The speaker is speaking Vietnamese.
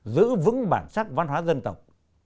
giữ vững bản chất văn hóa dân tộc